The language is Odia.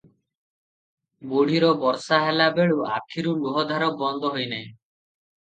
ବୁଢ଼ୀର ବର୍ଷାହେଲା ବେଳୁଁ ଆଖିରୁ ଲୁହଧାର ବନ୍ଦ ହୋଇ ନାହିଁ ।